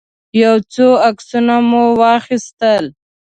يو څو عکسونه مو واخيستل.